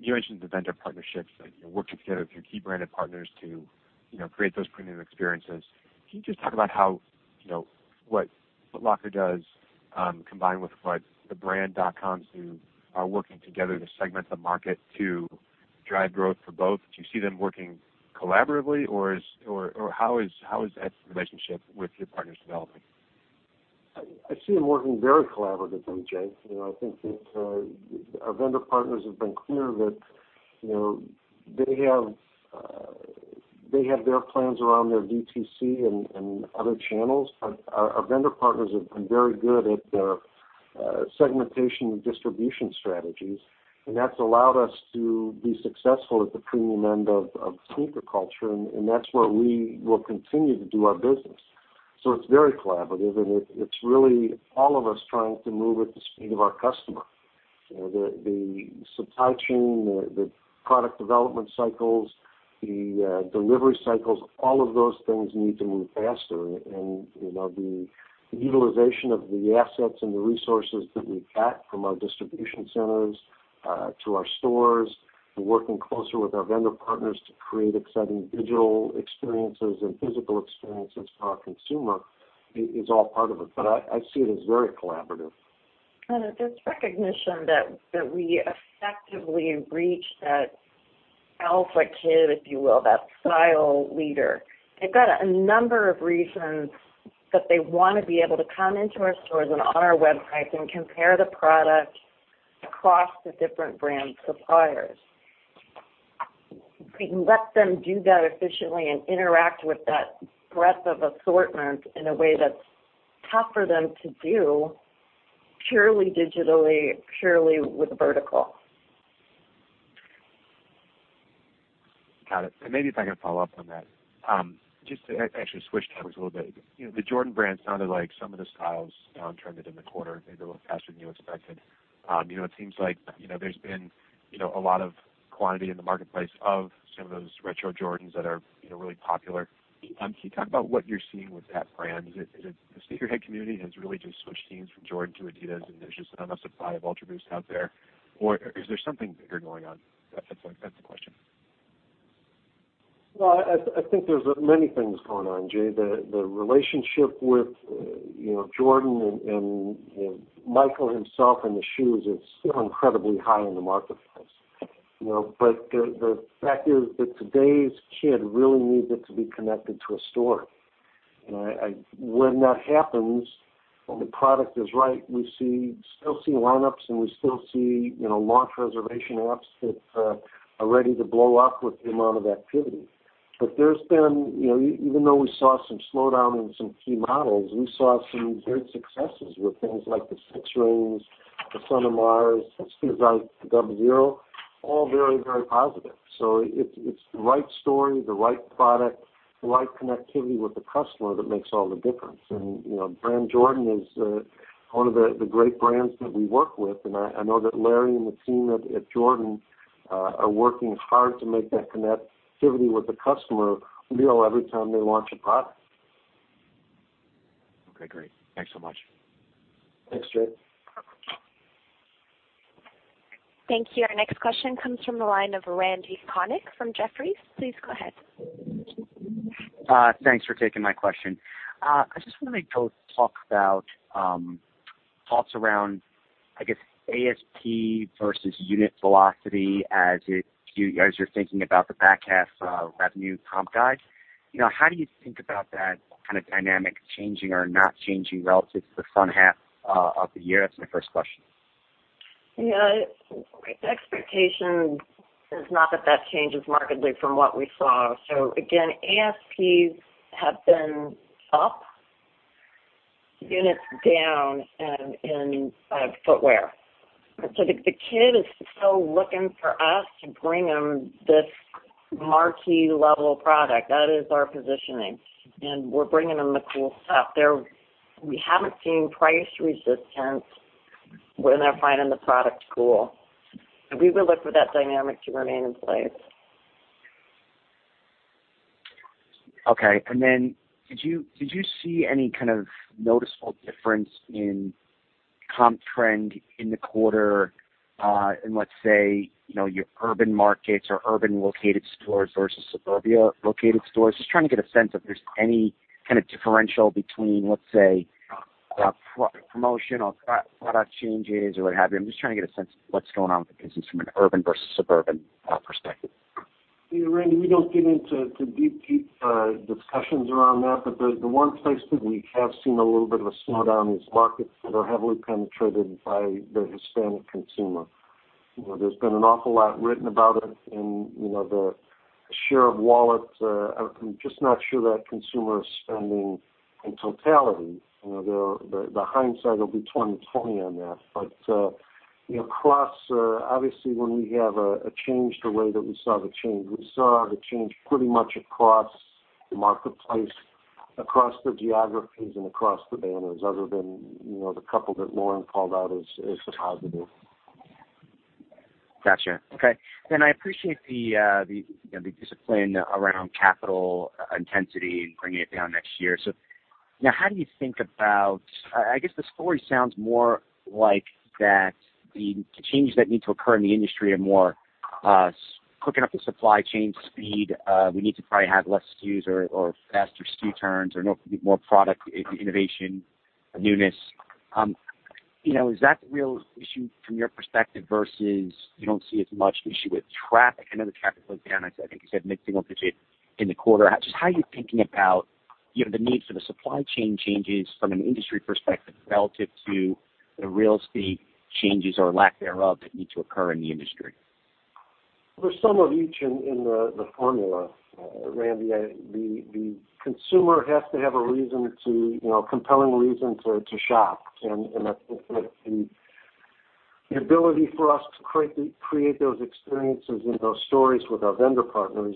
mentioned the vendor partnerships and working together with your key branded partners to create those premium experiences. Can you just talk about what Foot Locker does, combined with what the brand dotcoms who are working together to segment the market to drive growth for both. Do you see them working collaboratively, or how is that relationship with your partners developing? I see them working very collaboratively, Jay. I think that our vendor partners have been clear that they have their plans around their DTC and other channels. Our vendor partners have been very good at their segmentation and distribution strategies, and that's allowed us to be successful at the premium end of sneaker culture, and that's where we will continue to do our business. It's very collaborative, and it's really all of us trying to move at the speed of our customer. The supply chain, the product development cycles, the delivery cycles, all of those things need to move faster. The utilization of the assets and the resources that we've got from our distribution centers to our stores, to working closer with our vendor partners to create exciting digital experiences and physical experiences for our consumer is all part of it. I see it as very collaborative. This recognition that we effectively reach that alpha kid, if you will, that style leader. They've got a number of reasons that they want to be able to come into our stores and on our website and compare the product across the different brand suppliers. We can let them do that efficiently and interact with that breadth of assortment in a way that's tough for them to do purely digitally, purely with vertical. Got it. Maybe if I can follow up on that. Just to actually switch topics a little bit. The Jordan Brand sounded like some of the styles downturned in the quarter maybe a little faster than you expected. It seems like there's been a lot of quantity in the marketplace of some of those retro Jordans that are really popular. Can you talk about what you're seeing with that brand? Is it the sneakerhead community has really just switched teams from Jordan to adidas, and there's just enough supply of UltraBoosts out there, or is there something bigger going on? That's the question. Well, I think there's many things going on, Jay. The relationship with Jordan and Michael himself and the shoes is still incredibly high in the marketplace. The fact is that today's kid really needs it to be connected to a story. When that happens and the product is right, we still see lineups, and we still see launch reservation apps that are ready to blow up with the amount of activity. Even though we saw some slowdown in some key models, we saw some great successes with things like the Six Rings, the Son of Mars, the Spizike, the Dub Zero, all very, very positive. It's the right story, the right product, the right connectivity with the customer that makes all the difference. Brand Jordan is one of the great brands that we work with, and I know that Larry and the team at Jordan are working hard to make that connectivity with the customer real every time they launch a product. Okay, great. Thanks so much. Thanks, Jay. Thank you. Our next question comes from the line of Randal Konik from Jefferies. Please go ahead. Thanks for taking my question. I just want to talk about thoughts around, I guess, ASP versus unit velocity as you're thinking about the back half revenue comp guide. How do you think about that kind of dynamic changing or not changing relative to the front half of the year? That's my first question. Yeah. The expectation is not that changes markedly from what we saw. Again, ASPs have been up, units down in footwear. The kid is still looking for us to bring him this marquee-level product. That is our positioning. We're bringing them the cool stuff. We haven't seen price resistance when they're finding the product cool. We would look for that dynamic to remain in place. Okay. Then did you see any kind of noticeable difference in comp trend in the quarter in, let's say, your urban markets or urban located stores versus suburbia located stores? Just trying to get a sense if there's any kind of differential between, let's say, promotion or product changes or what have you. I'm just trying to get a sense of what's going on with the business from an urban versus suburban perspective. Randy, we don't get into deep discussions around that. The one place that we have seen a little bit of a slowdown is markets that are heavily penetrated by the Hispanic consumer. There's been an awful lot written about it in the share of wallet. I'm just not sure that consumer spending in totality, the hindsight will be 20/20 on that. Obviously, when we have a change, the way that we saw the change, we saw the change pretty much across the marketplace, across the geographies and across the banners, other than the couple that Lauren called out as positive. Got you. Okay. I appreciate the discipline around capital intensity and bringing it down next year. Now how do you think about I guess the story sounds more like that the changes that need to occur in the industry are more quickening up the supply chain speed. We need to probably have less SKUs or faster SKU turns or more product innovation newness. Is that the real issue from your perspective versus you don't see as much issue with traffic? I know the traffic was down. I think you said mid-single digit in the quarter. Just how are you thinking about the need for the supply chain changes from an industry perspective relative to the real estate changes or lack thereof that need to occur in the industry? There's some of each in the formula, Randy. The consumer has to have a compelling reason to shop, the ability for us to create those experiences and those stories with our vendor partners.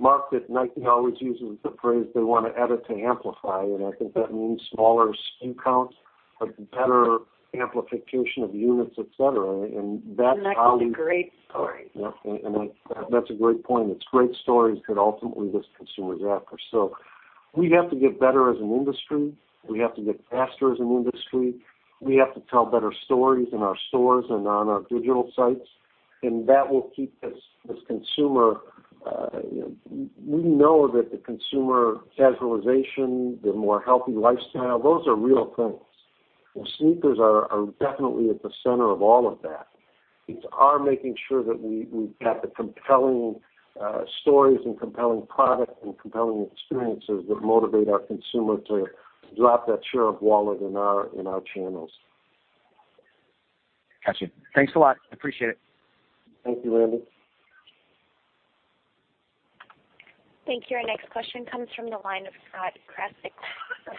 Mark at Nike always uses the phrase they want to edit, to amplify, I think that means smaller SKU count, but better amplification of units, et cetera. That's a great story. Yeah. That's a great point. It's great stories that ultimately this consumer's after. We have to get better as an industry. We have to get faster as an industry. We have to tell better stories in our stores and on our digital sites, and that will keep this consumer. We know that the consumer casualization, the more healthy lifestyle, those are real things, and sneakers are definitely at the center of all of that. It's our making sure that we've got the compelling stories and compelling product and compelling experiences that motivate our consumer to drop that share of wallet in our channels. Got you. Thanks a lot. I appreciate it. Thank you, Randy. Thank you. Our next question comes from the line of Scott Krasik,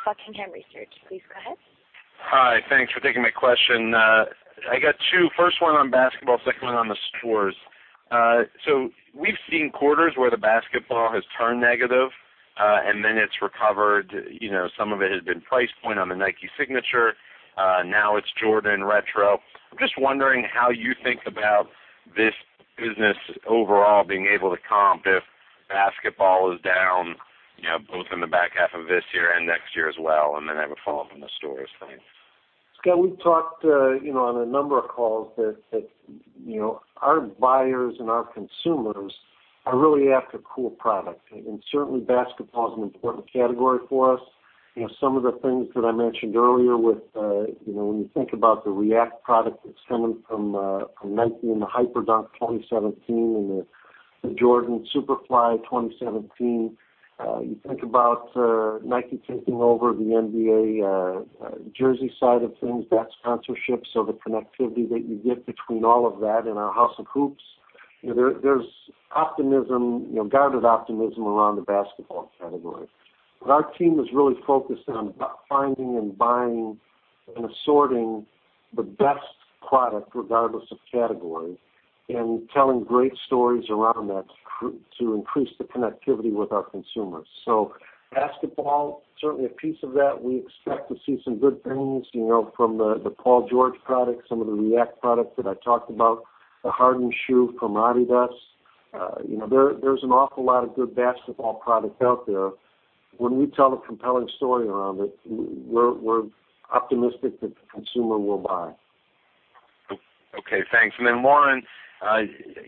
Buckingham Research. Please go ahead. Hi. Thanks for taking my question. I got two. First one on basketball, second one on the stores. We've seen quarters where the basketball has turned negative, then it's recovered. Some of it has been price point on the Nike Signature. Now it's Jordan Retro. I'm just wondering how you think about this business overall being able to comp if basketball is down both in the back half of this year and next year as well, then I have a follow on the stores for you. Scott, we've talked on a number of calls that our buyers and our consumers are really after cool product. Certainly basketball is an important category for us. Some of the things that I mentioned earlier with when you think about the React product that's coming from Nike and the Hyperdunk 2017 and the Jordan Super.Fly 2017. You think about Nike taking over the NBA jersey side of things, that sponsorship. The connectivity that you get between all of that and our House of Hoops, there's guarded optimism around the basketball category. Our team is really focused on finding and buying and assorting the best product regardless of category and telling great stories around that to increase the connectivity with our consumers. Basketball, certainly a piece of that. We expect to see some good things from the Paul George product, some of the React products that I talked about, the Harden shoe from adidas. There's an awful lot of good basketball products out there. When we tell a compelling story around it, we're optimistic that the consumer will buy. Okay, thanks. Lauren,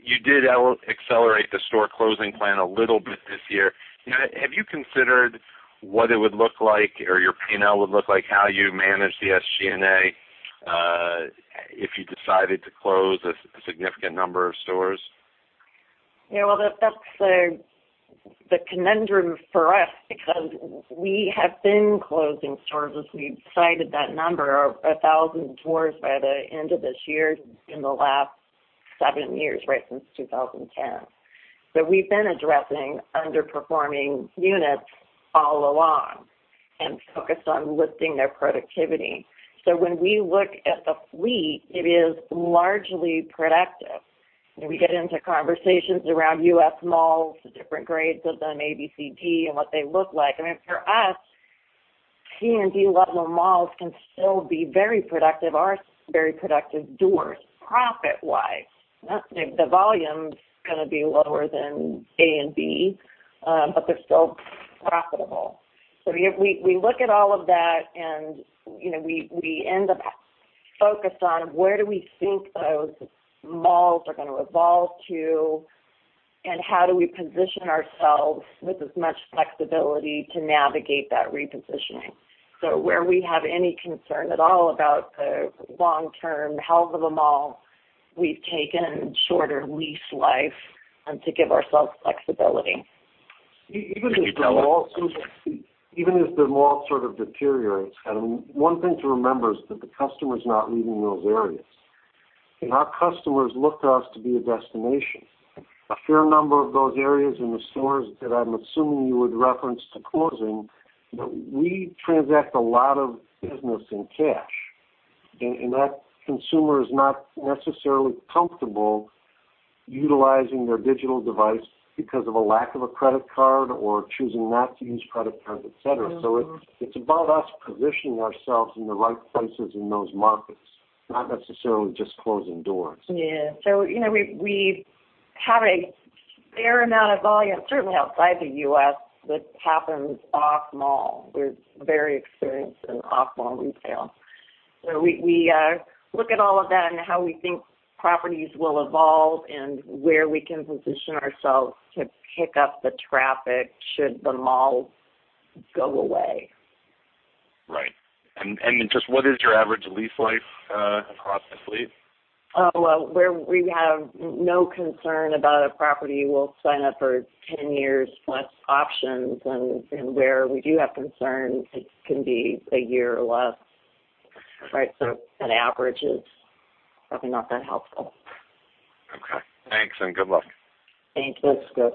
you did accelerate the store closing plan a little bit this year. Have you considered what it would look like or your P&L would look like, how you manage the SG&A, if you decided to close a significant number of stores? Yeah, well, that's the conundrum for us because we have been closing stores as we've cited that number of 1,000 stores by the end of this year in the last seven years, right, since 2010. We've been addressing underperforming units all along and focused on lifting their productivity. When we look at the fleet, it is largely productive. We get into conversations around U.S. malls, the different grades of them, A, B, C, D, and what they look like. I mean, for us, C and D level malls can still be very productive, are very productive doors, profit-wise. The volume's going to be lower than A and B, but they're still profitable. We look at all of that, and we end up focused on where do we think those malls are going to evolve to, and how do we position ourselves with as much flexibility to navigate that repositioning. Where we have any concern at all about the long-term health of a mall, we've taken shorter lease life to give ourselves flexibility. Even if the mall sort of deteriorates. One thing to remember is that the customer's not leaving those areas. Our customers look to us to be a destination. A fair number of those areas in the stores that I'm assuming you would reference to closing, we transact a lot of business in cash, and that consumer is not necessarily comfortable utilizing their digital device because of a lack of a credit card or choosing not to use credit cards, et cetera. It's about us positioning ourselves in the right places in those markets, not necessarily just closing doors. Yeah. We have a fair amount of volume, certainly outside the U.S., that happens off mall. We're very experienced in off-mall retail. We look at all of that and how we think properties will evolve and where we can position ourselves to pick up the traffic should the malls go away. Right. Just what is your average lease life across the fleet? Oh, well, where we have no concern about a property, we'll sign up for 10 years plus options, and where we do have concerns, it can be a year or less. An average is probably not that helpful. Okay. Thanks. Good luck. Thanks, Scott.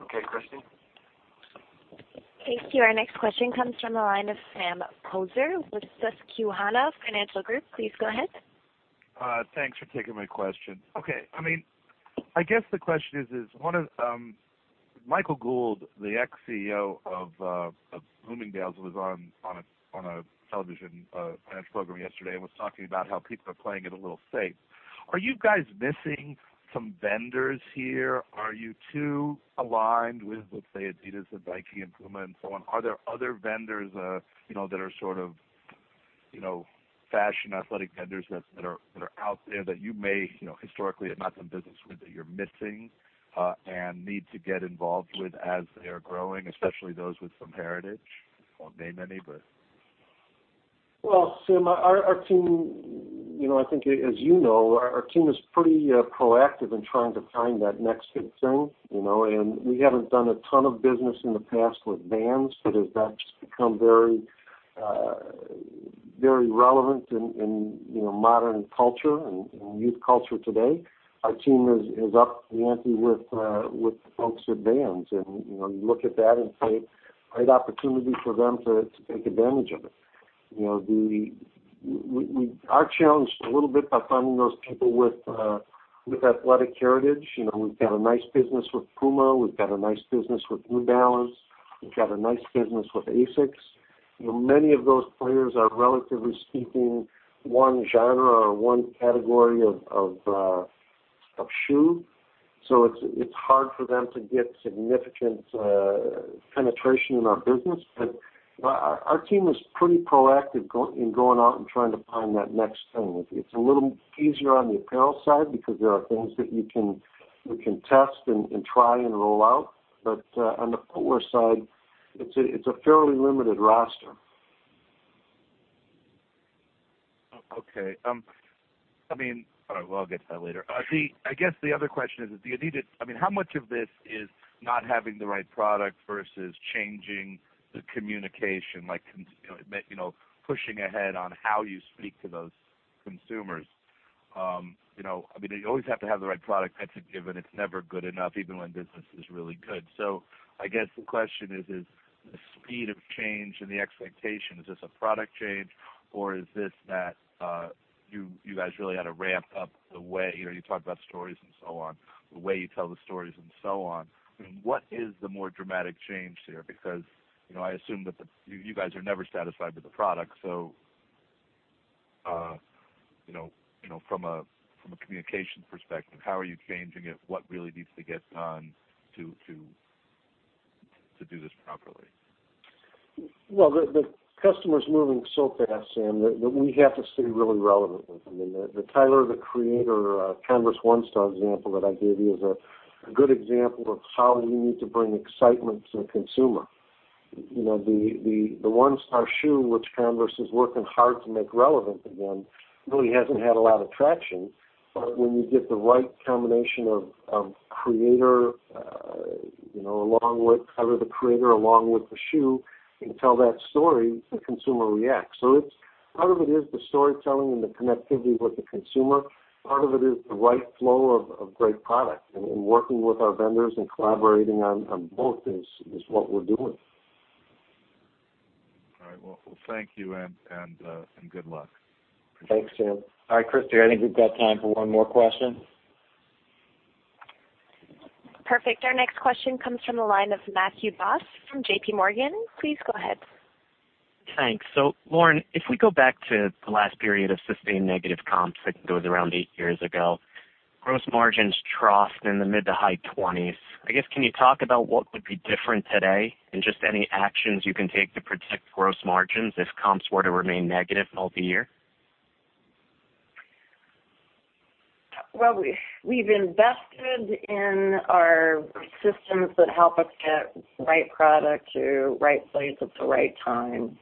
Okay, Christine. Thank you. Our next question comes from the line of Sam Poser with Susquehanna Financial Group. Please go ahead. Thanks for taking my question. Okay. I guess the question is, Michael Gould, the ex-CEO of Bloomingdale's, was on a television finance program yesterday and was talking about how people are playing it a little safe. Are you guys missing some vendors here? Are you too aligned with, let's say, adidas and Nike and Puma and so on? Are there other vendors that are sort of fashion athletic vendors that are out there that you may historically have not done business with, that you're missing and need to get involved with as they are growing, especially those with some heritage? I won't name any, but Well, Sam, our team, I think as you know, our team is pretty proactive in trying to find that next big thing. We haven't done a ton of business in the past with Vans, but as that's become very relevant in modern culture and youth culture today, our team has upped the ante with the folks at Vans. You look at that and say, great opportunity for them to take advantage of it. We are challenged a little bit by finding those people with athletic heritage. We've got a nice business with Puma. We've got a nice business with New Balance. We've got a nice business with ASICS. Many of those players are, relatively speaking, one genre or one category of shoe, so it's hard for them to get significant penetration in our business. Our team is pretty proactive in going out and trying to find that next thing. It's a little easier on the apparel side because there are things that you can test and try and roll out. On the footwear side, it's a fairly limited roster. Okay. I mean, all right, well, I'll get to that later. I guess the other question is, how much of this is not having the right product versus changing the communication, like pushing ahead on how you speak to those consumers? You always have to have the right product. That's a given. It's never good enough, even when business is really good. I guess the question is the speed of change and the expectation, is this a product change or is this that you guys really had to ramp up the way, you talk about stories and so on, the way you tell the stories and so on. What is the more dramatic change here? I assume that you guys are never satisfied with the product. From a communications perspective, how are you changing it? What really needs to get done to do this properly. The customer's moving so fast, Sam, that we have to stay really relevant with them. The Tyler, the Creator, Converse One Star example that I gave you is a good example of how we need to bring excitement to the consumer. The One Star shoe, which Converse is working hard to make relevant again, really hasn't had a lot of traction. When you get the right combination of Tyler, the Creator, along with the shoe, you can tell that story, the consumer reacts. Part of it is the storytelling and the connectivity with the consumer. Part of it is the right flow of great product and working with our vendors and collaborating on both is what we're doing. All right. Well, thank you, and good luck. Thanks, Sam. All right, Christy, I think we've got time for one more question. Perfect. Our next question comes from the line of Matthew Boss from JPMorgan. Please go ahead. Thanks. Lauren, if we go back to the last period of sustained negative comps, I think it was around eight years ago, gross margins troughed in the mid-to-high 20s. I guess, can you talk about what would be different today and just any actions you can take to protect gross margins if comps were to remain negative all the year? We've invested in our systems that help us get the right product to the right place at the right time.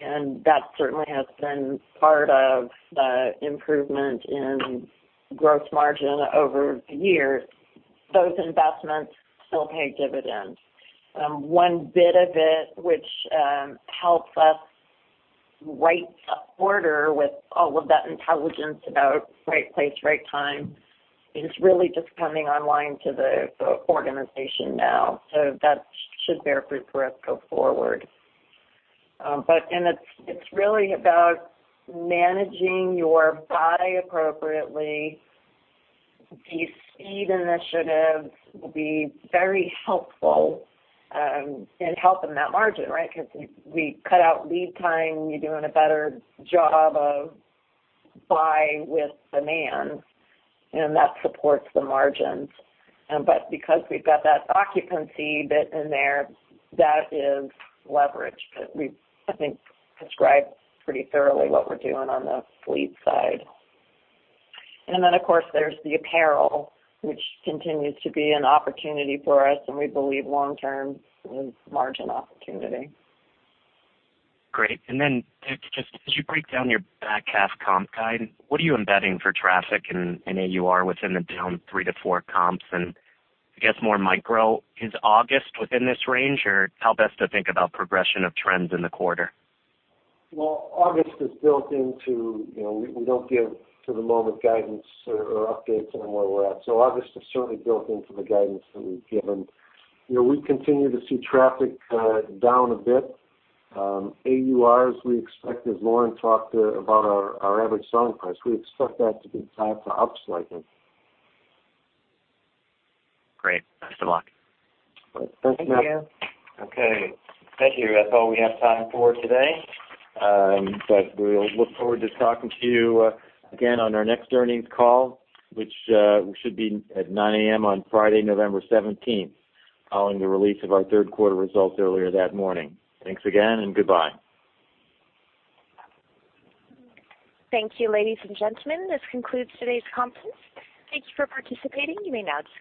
That certainly has been part of the improvement in gross margin over the years. Those investments still pay dividends. One bit of it, which helps us write the order with all of that intelligence about right place, right time, is really just coming online to the organization now. That should bear fruit for us go forward. It's really about managing your buy appropriately. These speed initiatives will be very helpful in helping that margin, right? We cut out lead time. We're doing a better job of buy with demand. That supports the margins. Because we've got that occupancy bit in there, that is leverage that we've, I think, described pretty thoroughly what we're doing on the fleet side. Of course, there's the apparel, which continues to be an opportunity for us. We believe long term is margin opportunity. Great. Just as you break down your back half comp guide, what are you embedding for traffic and AUR within the down 3%-4% comps? I guess more micro, is August within this range, or how best to think about progression of trends in the quarter? Well, We don't give to the moment guidance or updates on where we're at. August is certainly built into the guidance that we've given. We continue to see traffic down a bit. AUR, as we expect, as Lauren talked about our average selling price, we expect that to be flat to up slightly. Great. Best of luck. Thanks, Matt. Okay. Thank you. That's all we have time for today. We'll look forward to talking to you again on our next earnings call, which should be at 9:00 A.M. on Friday, November 17th, following the release of our third quarter results earlier that morning. Thanks again and goodbye. Thank you, ladies and gentlemen. This concludes today's conference. Thank you for participating. You may now disconnect.